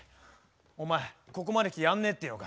お前ここまで来てやんねえって言うのか？